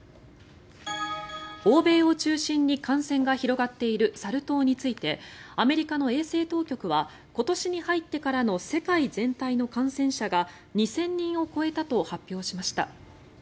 欧米を中心に感染が広がっているサル痘についてアメリカの衛生当局は今年に入ってからの世界全体の感染者が２０００人を超えたと発表しました。